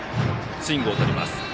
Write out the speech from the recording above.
スイングをとります。